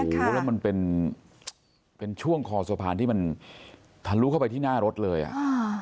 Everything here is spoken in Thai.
โอ้โหแล้วมันเป็นเป็นช่วงคอสะพานที่มันทะลุเข้าไปที่หน้ารถเลยอ่ะอ่า